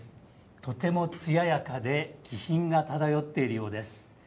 とてもつややかで気品が漂っているようです。